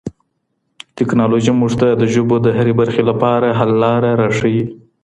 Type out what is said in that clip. ټکنالوژي موږ ته د ژبو د هرې برخې لپاره حل لاره راښيي.